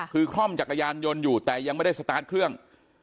คือคล่อมจักรยานยนต์อยู่แต่ยังไม่ได้สตาร์ทเครื่อง